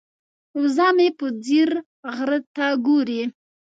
وزه مې په ځیر غره ته ګوري.